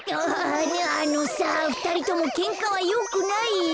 あのさふたりともけんかはよくないよ。